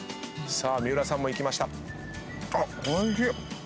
さあ三浦さんもいきました。